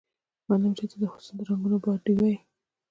منم چې ته د حسن د رنګونو باډيوه يې